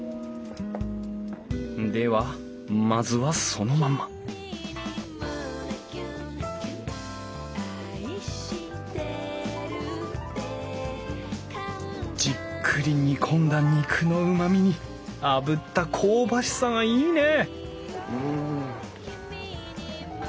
ではまずはそのままじっくり煮込んだ肉のうまみにあぶった香ばしさがいいね！